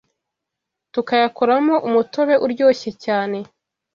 tukayakoramo umutobe uryoshye cyane